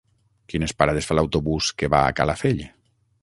Quines parades fa l'autobús que va a Calafell?